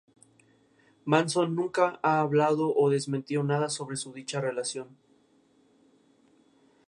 Protagonizada por Vicente Fernández, Maribel Guardia y Mario Almada.